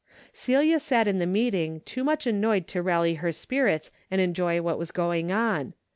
Celia sat in the meeting too much annoyed to rally her spirits and enjoy what was going on.